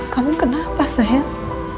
kamu kenapa sayang